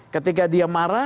ketika dia marah